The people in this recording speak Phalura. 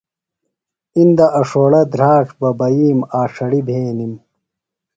اندہ اڇھوڑہ، دھراڇ، ببائیم، آݜڑیۡ بھینِم۔